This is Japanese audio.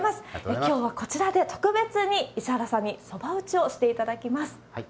きょうはこちらで特別に、石原さんにそば打ちをしていただきます。